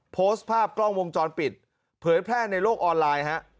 โพสต์ภาพกล้องวงจรปิดเผยแพร่ในโลกออนไลน์ฮะ